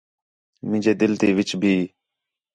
مینجے دِل تے وِچ بھی